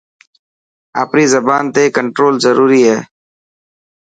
آپري زبان تي ڪنٽرول ضروري هي.